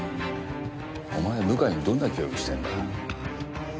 お前部下にどんな教育してんだ？